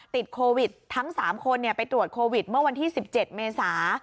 ติดโควิดทั้ง๓คนไปตรวจโควิดเมื่อวันที่๑๗เมษา